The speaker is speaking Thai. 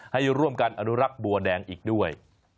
ให้ร่วมกันอนุรักษ์บัวแดงอีกด้วย